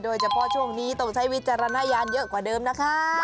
โดยเฉพาะช่วงนี้ต้องใช้วิจารณญาณเยอะกว่าเดิมนะคะ